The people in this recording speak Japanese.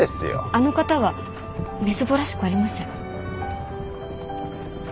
あの方はみすぼらしくありません。